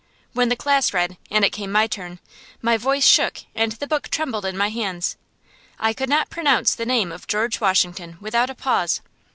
When the class read, and it came my turn, my voice shook and the book trembled in my hands. I could not pronounce the name of George Washington without a pause.